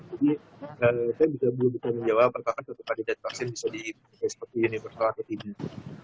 jadi kita belum bisa menjawab apakah tetap ada vaksin bisa diperkenalkan seperti universal atau tidak